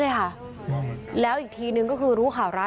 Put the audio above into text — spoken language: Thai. พวกมันต้องกินกันพี่